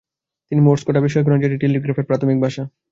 তিনি Morse code আবিষ্কার করেন, যেটি টেলিগ্রাফের প্রাথমিক ভাষা।